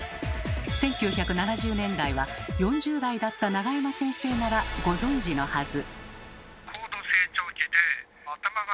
１９７０年代は４０代だった永山先生ならご存じのはず。